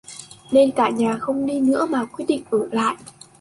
Nên cả nhà không đi nữa mà quyết định ở lại